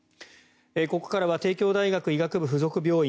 ここからは帝京大学医学部附属病院